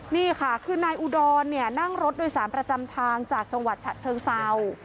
นี่ค่ะคือนายอุดรนั่งรถโดยสารประจำทางจากจังหวัดฉะเชิงเศร้า